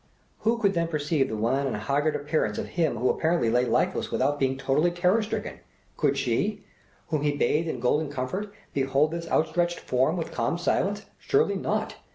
Who could then perceive the wan and haggard appearance of him who apparently lay lifeless without being totally terror stricken could she, whom he bathed in golden comfort, behold this outstretched form with calm silence? Surely not!